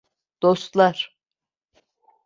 Dostlar!